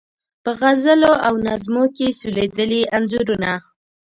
په غزلو او نظمو کې سولیدلي انځورونه